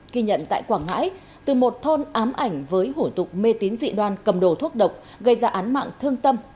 ghi nhận tại quảng ngãi từ một thôn ám ảnh với hủ tục mê tín dị đoan cầm đồ thuốc độc gây ra án mạng thương tâm